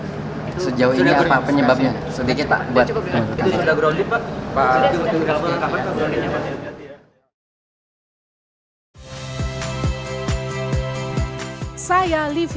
sejauh ini apa penyebabnya sedikit pak buat menurut kami